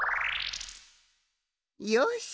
よし！